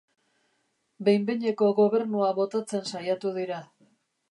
Behin-behineko gobernua botatzen saiatu dira.